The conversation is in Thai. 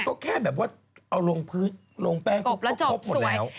ก็แค่ออกลงพื้นลงแป้งก็พรบหมดแล้ว